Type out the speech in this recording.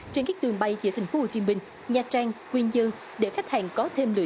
trên các đường bay giữa thành phố hồ chí minh nha trang nguyên dương để khách hàng có thể tìm hiểu